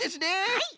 はい。